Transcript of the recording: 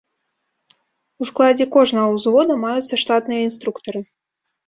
У складзе кожнага ўзвода маюцца штатныя інструктары.